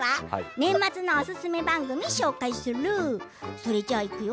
年末のおすすめ番組をご紹介するよ。